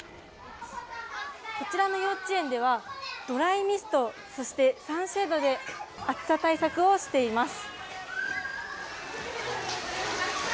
こちらの幼稚園ではドライミストそして、サンシェードで暑さ対策をしています。